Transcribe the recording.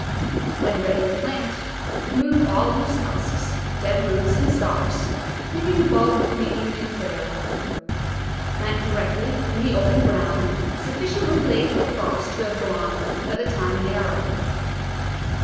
When ready to plant, remove all loose husks, dead roots, and stalks, leaving the bulb clean and fair. Plant directly in the open ground, sufficiently late for frost to have gone by the time they are up.